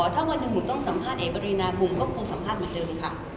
ถ้าวันหนึ่งหนูต้องสัมภาษณ์เอกปรีนาบุมก็คงสัมภาษณ์เหมือนเดิมค่ะ